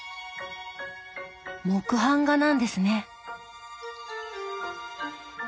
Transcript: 木版画なんですね。